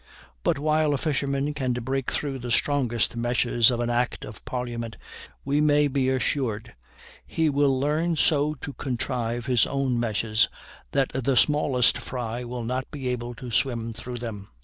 But while a fisherman can break through the strongest meshes of an act of parliament, we may be assured he will learn so to contrive his own meshes that the smallest fry will not be able to swim through them.